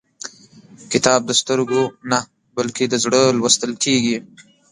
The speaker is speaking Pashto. کتاب د سترګو نه، بلکې د زړه لوستل کېږي.